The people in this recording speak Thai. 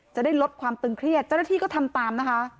จะได้ลดความตึงเครียดเจ้าหน้าที่ก็ทำตามนะคะ